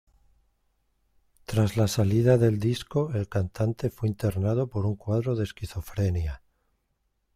Tras la salida del disco, el cantante fue internado por un cuadro de esquizofrenia.